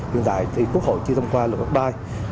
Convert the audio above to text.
hiện tại thì quốc hội chưa thông qua luật đất đai